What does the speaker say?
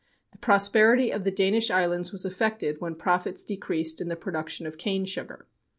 The prosperity of the Danish islands was affected when profits decreased in the production of cane sugar.